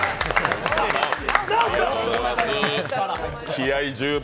気合い十分